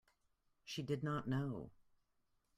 She did not know.